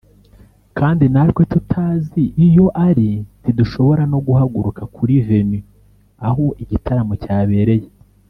kandi natwe tutazi iyo ari ntidushobora no guhaguruka kuri venue (aho igitaramo cyabereye)